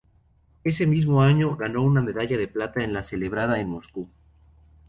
Ese mismo año, ganó una medalla de plata en la celebrada en Moscú.